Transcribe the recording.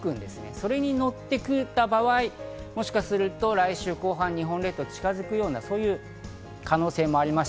それにのってきた場合、もしかすると来週後半、日本列島に近づくような可能性もあります。